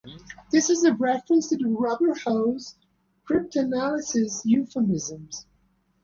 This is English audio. This is a reference to the rubber-hose cryptanalysis euphemism.